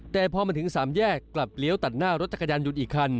แต่พอมาถึงสามแยกกลับเลี้ยวตัดหน้ารถจักรยานยนต์อีกคัน